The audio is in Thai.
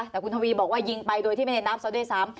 แต่คุณทวีบอกว่ายิงไปโดยที่ไม่ได้นับซะด้วยซ้ำ